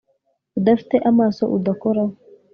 udafite amaso udakoraho